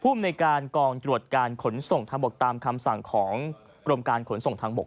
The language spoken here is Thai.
ในการกองตรวจการขนส่งทางบกตามคำสั่งของกรมการขนส่งทางบก